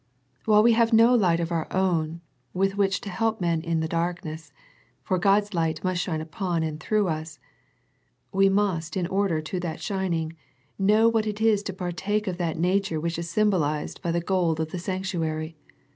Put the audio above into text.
While we have no light of our own with which to help men in the darkness, for God's light must shine upon and through us, we must in order to that shining, know what it is to partake of that nature which is symbolized by the gold of the sanctuary.